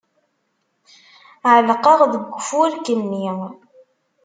Ɛellqeɣ deg ufurk-nni.